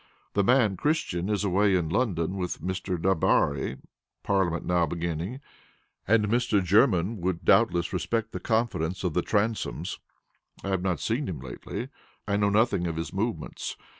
The man Christian is away in London with Mr. Debarry, Parliament now beginning; and Mr. Jermyn would doubtless respect the confidence of the Transomes. I have not seen him lately. I know nothing of his movements.